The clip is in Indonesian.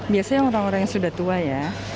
biasanya orang orang yang sudah tua ya